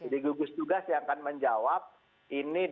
di gugus tugas yang akan menjawab ini daerah ini oke daerah ini belum